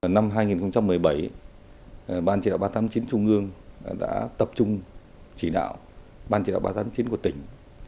năm hai nghìn một mươi bảy ban chỉ đạo ba trăm tám mươi chín trung ương đã tập trung chỉ đạo ban chỉ đạo ba trăm tám mươi chín của tỉnh